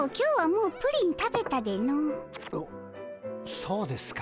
そうですか？